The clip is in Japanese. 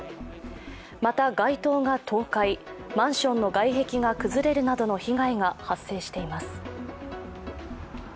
また街灯が倒壊、マンションの外壁が崩れるなどの被害が発生しています。